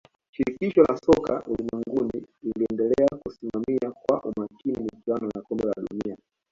shirikisho la soka ulimwenguni liliendelea kusimamia kwa umakini michuano ya kombe la dunia